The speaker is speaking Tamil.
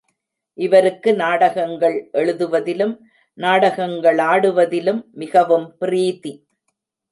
இவருக்கு நாடகங்கள் எழுது வதிலும், நாடகங்களாடுவதிலும் மிகவும் பிரீதி.